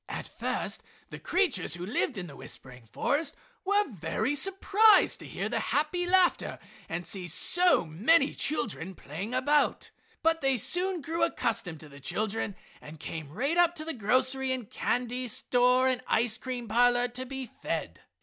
At first the creatures who lived in the whispering forest were surprised to hear the happy laughter and to see so many children playing about, but they soon grew accustomed to the children and came right up to the grocery and candy store and ice cream parlor to be fed.